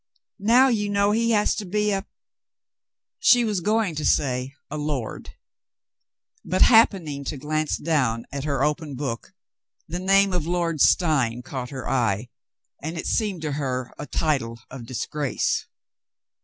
Now, you know he has to be a —" She was going to say "a lord," but, happening to glance down at her open book, the name of "Lord Steyne" caught her eye, and it seemed to her a title of disgrace.